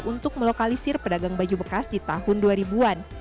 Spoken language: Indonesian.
untuk melokalisir pedagang baju bekas di tahun dua ribu an